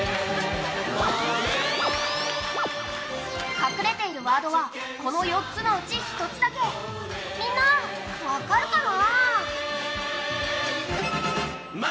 隠れているワードは、この４つのうち１つだけ、みんな分かるかな？